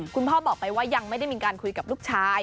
พ่อบอกไปว่ายังไม่ได้มีการคุยกับลูกชาย